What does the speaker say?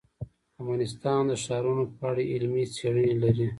افغانستان د ښارونو په اړه علمي څېړنې لري.